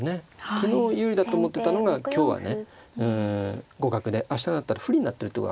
昨日有利だと思ってたのが今日はねうん互角で明日になったら不利になってるってことがあるんですよ。